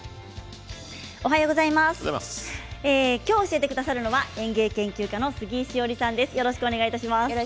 今日、教えてくださるのは園芸研究家の杉井志織さんです。